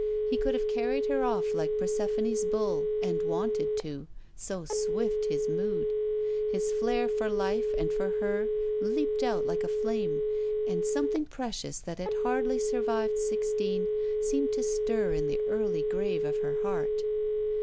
He could have carried her off like Persephone's bull, and wanted to, so swift his mood. His flare for life and for her leaped out 1^ a flame, and something precious that had hardly survived sixteen seemed to stir in the early grave of her heart.